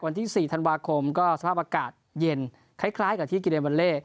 วันที่๔ธันวาคมก็สภาพอากาศเย็นคล้ายกับที่กิเลวัลเล่